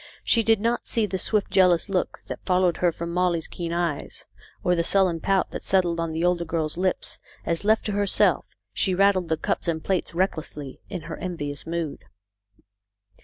She did not see the swift jealous look that followed her from Molly's keen eyes, or the sullen pout that settled on the older girl's lips, as, left to herself, she rattled the cups and plates recklessly, in her envious mood.